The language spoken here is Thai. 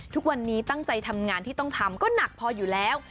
ทุกวันนี้ตั้งใจทำงานที่ต้องทำก็หนักพออยู่แล้ว